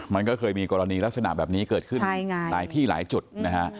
มันก็เคยมีกรณีลักษณะแบบนี้เกิดขึ้นหลายที่หลายจุดนะฮะ